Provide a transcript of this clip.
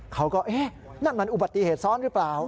เขาก็เอ๊ะนั่นมันอุบัติเหตุซ้อนหรือเปล่า